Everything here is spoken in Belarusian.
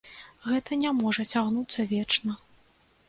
Гэта не можа цягнуцца вечна.